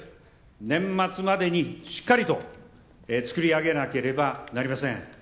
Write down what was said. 年末までにしっかりと作り上げなければなりません。